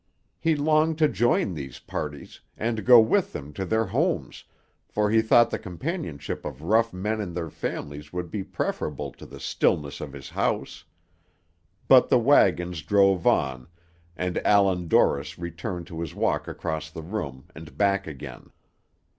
He longed to join these parties, and go with them to their homes, for he thought the companionship of rough men and their families would be preferable to the stillness of his house; but the wagons drove on, and Allan Dorris returned to his walk across the room, and back again.